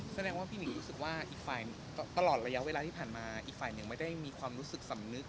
แสดงว่าพี่หมีรู้สึกว่าอีกฝ่ายตลอดระยะเวลาที่ผ่านมาอีกฝ่ายหนึ่งไม่ได้มีความรู้สึกสำนึก